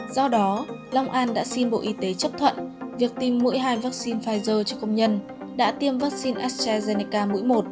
do đó long an đã xin bộ y tế chấp thuận việc tiêm mũi hai vaccine pfizer cho công nhân đã tiêm vaccine astrazeneca mũi một